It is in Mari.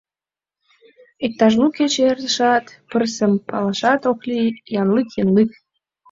Иктаж лу кече эртышат, пырысым палашат ок лий: янлык, янлык...